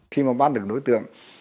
khi mà bắt được đối tượng